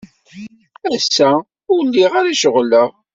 Ass-a, ur lliɣ ara ceɣleɣ.